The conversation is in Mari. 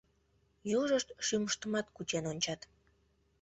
Южышт шӱмыштымат кучен ончат.